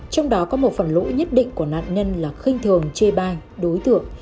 trong đó có một phần lỗi nhất định của nạn nhân là khinh thường chê bai đối tượng